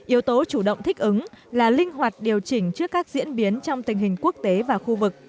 yếu tố chủ động thích ứng là linh hoạt điều chỉnh trước các diễn biến trong tình hình quốc tế và khu vực